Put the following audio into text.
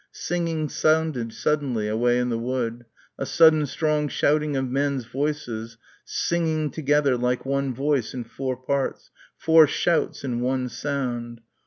Singing sounded suddenly away in the wood; a sudden strong shouting of men's voices singing together like one voice in four parts, four shouts in one sound.